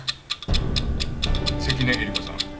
関根えり子さん